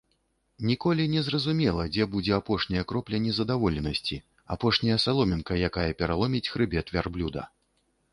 Ніколі не зразумела, дзе будзе апошняя кропля незадаволенасці, апошняя саломінка, якая пераломіць хрыбет вярблюда.